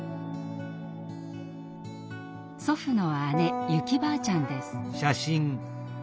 祖父の姉ユキばあちゃんです。